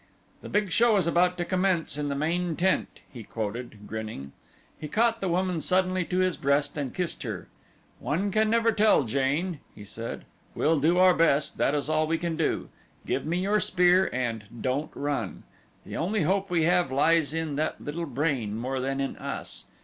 "'The big show is about to commence in the main tent,'" he quoted, grinning. He caught the woman suddenly to his breast and kissed her. "One can never tell, Jane," he said. "We'll do our best that is all we can do. Give me your spear, and don't run. The only hope we have lies in that little brain more than in us.